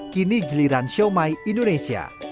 kini giliran shumai indonesia